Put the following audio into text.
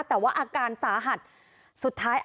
แต่ว่าอาการสาหัสสุดท้าย